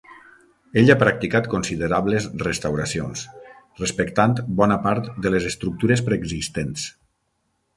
Ell ha practicat considerables restauracions, respectant bona part de les estructures preexistents.